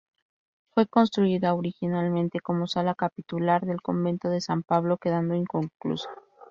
Fue construida originalmente como sala capitular del convento de San Pablo, quedando inconclusa.